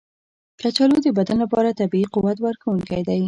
کچالو د بدن لپاره طبیعي قوت ورکونکی دی.